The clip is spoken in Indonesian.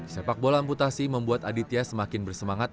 sepak bola amputasi membuat aditya semakin bersemangat